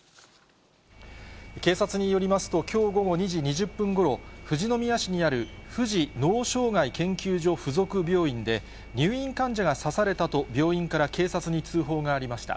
警察によりますと、きょう午後２時２０分ごろ、富士宮市にある富士脳障害研究所附属病院で、入院患者が刺されたと病院から警察に通報がありました。